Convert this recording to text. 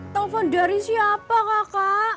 telepon dari siapa kakak